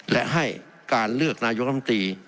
และให้การเลือกนายกรรมตรี